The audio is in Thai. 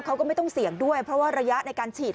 เขาก็ไม่ต้องเสี่ยงด้วยเพราะว่าระยะในการฉีด